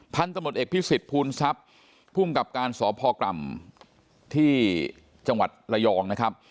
ตำรวจเอกพิสิทธิภูลทรัพย์ภูมิกับการสพกรรมที่จังหวัดระยองนะครับ